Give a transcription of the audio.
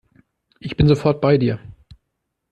Ich bin sofort bei dir.